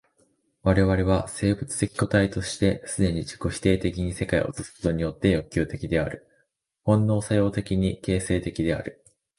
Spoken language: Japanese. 我々は生物的個体として既に自己否定的に世界を映すことによって欲求的である、本能作用的に形成的である。